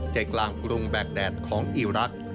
ใจกลางกรุงแบกแดดของอีรักษ์